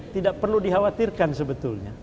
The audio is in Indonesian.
tidak perlu dikhawatirkan sebetulnya